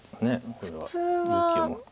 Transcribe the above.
これは勇気を持って。